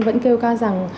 vẫn kêu ca rằng